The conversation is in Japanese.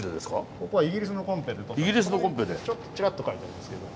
ここはイギリスのコンペで取ったんですけどちょっとチラッと書いてありますけど。